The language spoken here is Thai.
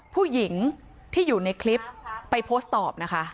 ผู้หญิงที่อยู่ในคลิปไปโพสต์ตอบนะคะ